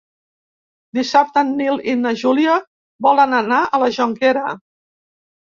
Dissabte en Nil i na Júlia volen anar a la Jonquera.